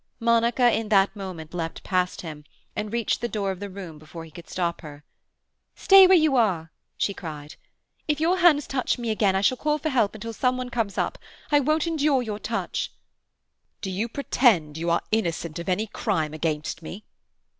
Monica in that moment leapt past him, and reached the door of the room before he could stop her. "Stay where you are!" she cried, "If your hands touch me again I shall call for help until someone comes up. I won't endure your touch!" "Do you pretend you are innocent of any crime against me?"